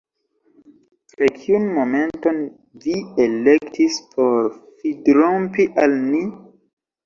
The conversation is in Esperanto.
Kaj kiun momenton vi elektis por fidrompi al ni?